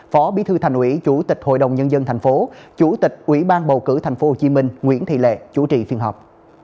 phó bí thư thành ủy chủ tịch hội đồng nhân dân tp chủ tịch ủy ban bầu cử tp hcm nguyễn thị lệ chủ trì phiên họp